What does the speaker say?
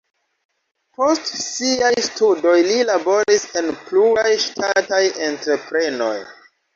Post siaj studoj li laboris en pluraj ŝtataj entreprenoj.